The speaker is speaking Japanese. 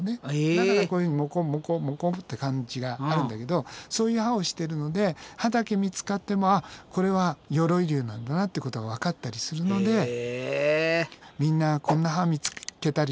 だからこういうふうにモコモコモコって感じがあるんだけどそういう歯をしてるので歯だけ見つかってもこれは鎧竜なんだなっていうことがわかったりするのでみんなこんな歯見つけたりしたらね